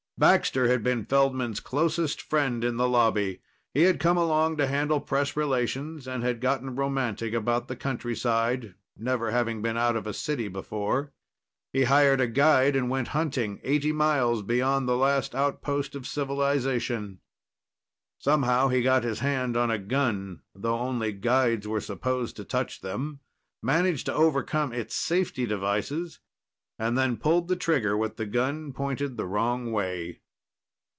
Baxter had been Feldman's closest friend in the Lobby. He'd come along to handle press relations and had gotten romantic about the countryside, never having been out of a city before. He hired a guide and went hunting, eighty miles beyond the last outpost of civilization. Somehow, he got his hand on a gun, though only guides were supposed to touch them, managed to overcome its safety devices, and then pulled the trigger with the gun pointed the wrong way.